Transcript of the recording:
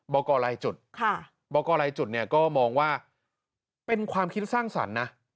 บกลบกลก็มองว่าเป็นความคิดสร้างสรรค์นะ